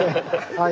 はい。